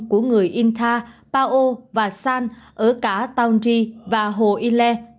của người intha pao và san ở cả taonji và hồ yên lê